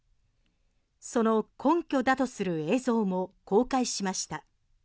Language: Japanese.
その根拠だとする映像も公開しました。